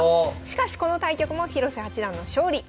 しかしこの対局も広瀬八段の勝利。